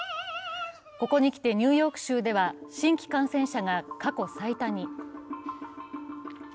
ここにきてニューヨーク州では新規感染者が過去最多に。